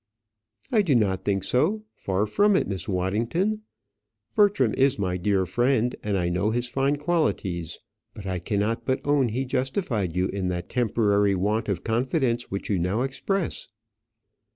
"I do not think so; far from it, Miss Waddington. Bertram is my dear friend, and I know his fine qualities; but I cannot but own that he justified you in that temporary want of confidence which you now express."